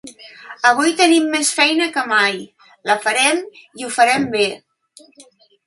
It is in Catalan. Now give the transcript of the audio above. Avui tenim més feina que mai, la farem i ho farem bé.